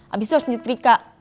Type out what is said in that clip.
abis itu harus nyetrika